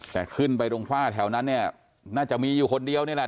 แต่ขึ้นไปตรงฝ้าแถวนั้นเนี่ยน่าจะมีอยู่คนเดียวนี่แหละ